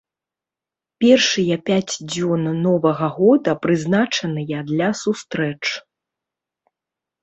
Першыя пяць дзён новага года прызначаныя для сустрэч.